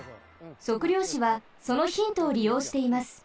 測量士はそのヒントをりようしています。